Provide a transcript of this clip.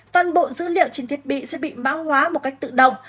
toàn bộ dữ liệu trên thiết bị sẽ bị mã hóa một cách tự động